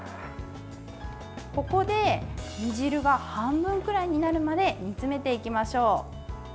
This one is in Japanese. ここで煮汁が半分くらいになるまで煮詰めていきましょう。